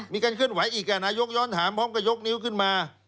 มีการเคลื่อนไหวอีกนายกย้อนถามพร้อมกับยกนิ้วขึ้นมา